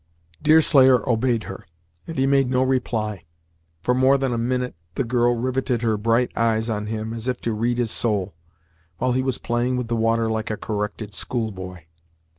Deerslayer obeyed her, and he made no reply. For more than a minute, the girl riveted her bright eyes on him as if to read his soul, while he was playing with the water like a corrected school boy.